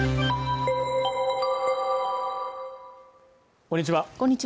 こんにちは